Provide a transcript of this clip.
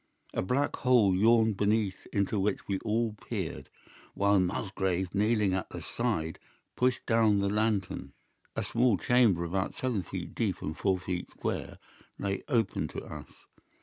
A black hole yawned beneath into which we all peered, while Musgrave, kneeling at the side, pushed down the lantern. "A small chamber about seven feet deep and four feet square lay open to us.